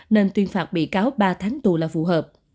nên tuyên phạt bị cáo ba tháng tù là phù hợp